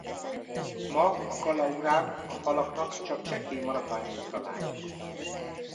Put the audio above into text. Ma a Kalaurán a falaknak csak csekély maradványait találjuk.